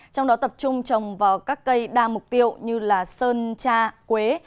trong đó tập trung trồng vào các cây đa mục tiêu như sơn cha quế